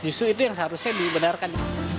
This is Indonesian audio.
justru itu yang harusnya dibenarkan